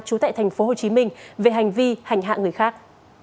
trú tại tp hcm về hành vi hành hạ người khác